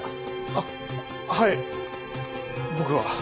あっはい僕は。